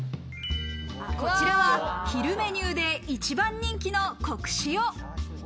こちらは昼メニューで一番人気のこく塩。